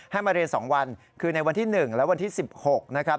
มาเรียน๒วันคือในวันที่๑และวันที่๑๖นะครับ